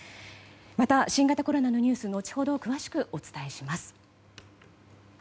また、新型コロナのニュース後ほど詳しくお伝えします。